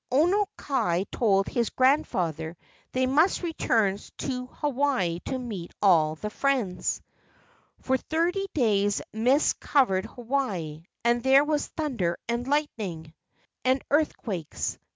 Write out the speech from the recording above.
Lono kai told his grandfather they must return to Hawaii to meet all the friends. For thirty days mists covered Hawaii and there was thunder and lightning and earthquakes.